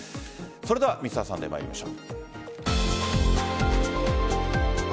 それでは「Ｍｒ．サンデー」参りましょう。